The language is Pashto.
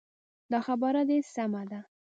دا خبره دې سمه ده.